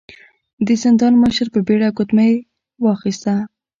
د زندان مشر په بيړه ګوتمۍ ور واخيسته.